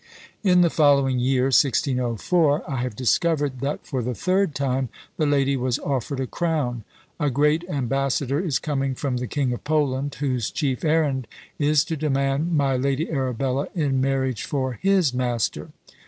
In the following year, 1604, I have discovered that for the third time the lady was offered a crown! "A great ambassador is coming from the King of Poland, whose chief errand is to demand my Lady Arabella in marriage for his master.